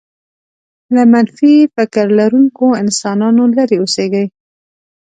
له منفي فکر لرونکو انسانانو لرې اوسېږئ.